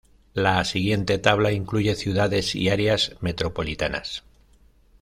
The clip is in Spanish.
La siguiente tabla incluye ciudades y áreas metropolitanas.